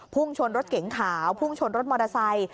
พุ่งชนรถเก๋งขาวมอเตอร์ไซต์